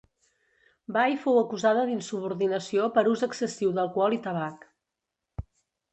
Bai fou acusada d'insubordinació per ús excessiu d'alcohol i tabac.